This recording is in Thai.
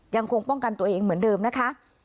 ยังคงป้องกันตัวเองเหมือนเดิมนะคะ